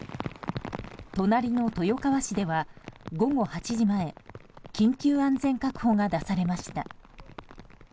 隣の豊川市では午後８時前緊急安全確保が出されました。